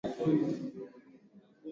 Mwembamba kama sindano.